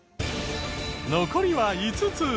残りは５つ。